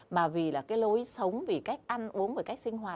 mà vì lối sống vì cách ăn uống vì cách sinh hoạt